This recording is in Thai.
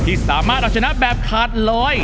ที่สามารถเอาชนะแบบขาดลอย